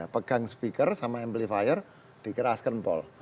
pegang speaker sama amplifier dikeraskan pol